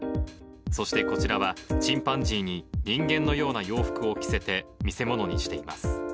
そしてこちらは、チンパンジーに人間のような洋服を着せて、見せ物にしています。